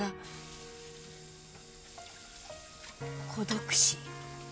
孤独死。